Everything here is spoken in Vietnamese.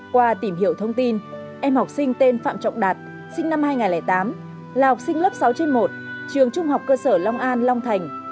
qua tìm hiểu thông tin em học sinh tên phạm trọng đạt sinh năm hai nghìn tám là học sinh lớp sáu trên một trường trung học cơ sở long an long thành